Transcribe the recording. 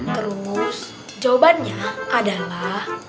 terus jawabannya adalah